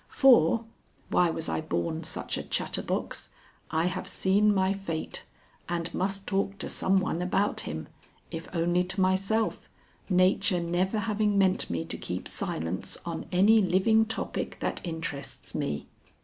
For (why was I born such a chatterbox!) I have seen my fate, and must talk to some one about him, if only to myself, nature never having meant me to keep silence on any living topic that interests me.